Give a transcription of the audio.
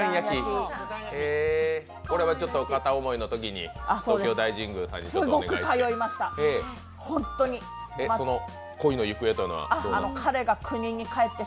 これはちょっと片思いのときに東京大神宮さんへ行って。